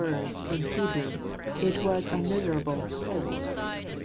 words, in the Hebrew, it was a miserable " hole."